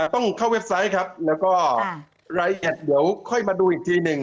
ต้องเข้าเว็บไซต์ครับแล้วก็รายละเอียดเดี๋ยวค่อยมาดูอีกทีหนึ่ง